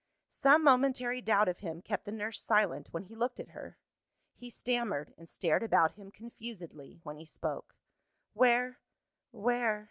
Some momentary doubt of him kept the nurse silent when he looked at her. He stammered, and stared about him confusedly, when he spoke. "Where where